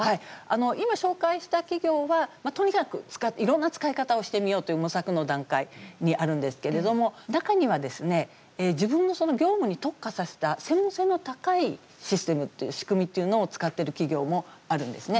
今、紹介した企業はとにかくいろんな使い方をしてみようという模索の段階にあるんですけれども中には、自分の業務に特化させた専門性の高いシステムっていう仕組みっていうのを使ってる企業もあるんですね。